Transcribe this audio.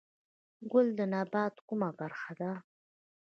ګل د نبات کومه برخه ده؟